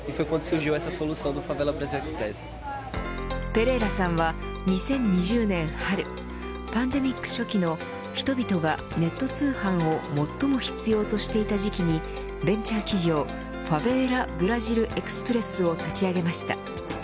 ペレイラさんは２０２０年春パンデミック初期の人々がネット通販を最も必要としていた時期にベンチャー企業、ファベーラ・ブラジル・エクスプレスを立ち上げました。